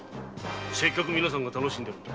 せっかく皆さんが楽しんでいるのだ。